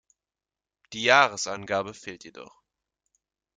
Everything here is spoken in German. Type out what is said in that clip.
Die Jahresangabe fehlt jedoch.